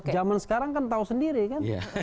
zaman sekarang kan tahu sendiri kan